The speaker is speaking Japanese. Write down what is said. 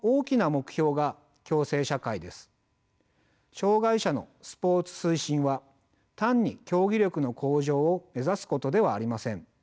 障害者のスポーツ推進は単に競技力の向上を目指すことではありません。